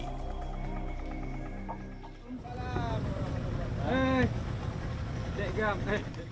kami sampai di pusat penelitian orang utan suakbalimbing